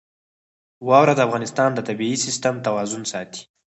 واوره د افغانستان د طبعي سیسټم توازن ساتي.